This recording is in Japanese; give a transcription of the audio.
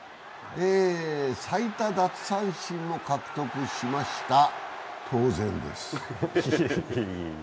最多奪三振も獲得しました、当然です。